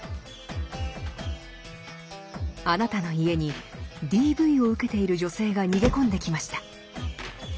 あなたの家にＤＶを受けている女性が逃げ込んできました。